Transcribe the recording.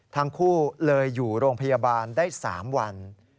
ทั้งคู่เลยอยู่โรงพยาบาลได้๓วัน